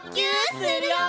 するよ！